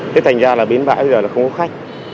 thế thành ra là bến bãi bây giờ là không có khách